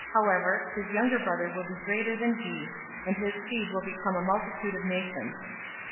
However, his younger brother will be greater than he, and his seed will become a multitude of nations."